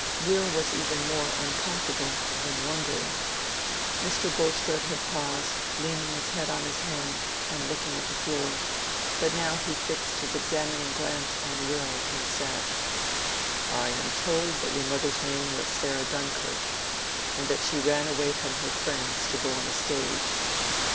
Will was even more uncomfortable than wondering. Mr. Bulstrode had paused, leaning his head on his hand, and looking at the floor. But he now fixed his examining glance on Will and said— "I am told that your mother's name was Sarah Dunkirk, and that she ran away from her friends to go on the stage.